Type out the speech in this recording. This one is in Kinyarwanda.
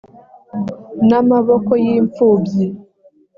n amaboko y imfubyi